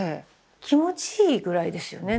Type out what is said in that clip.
気持ちいいぐらいですよね中。